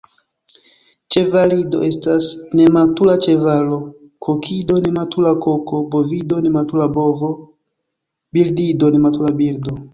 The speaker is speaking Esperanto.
Ĉevalido estas nematura ĉevalo, kokido nematura koko, bovido nematura bovo, birdido nematura birdo.